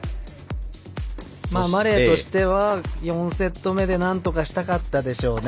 マレーとしては４セット目でなんとかしたかったでしょうね。